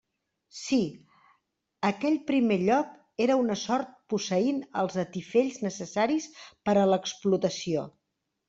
Sí; aquell primer lloc era una sort posseint els atifells necessaris per a l'explotació.